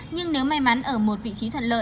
nhưng nếu may mắn ở một vị trí thuận lợi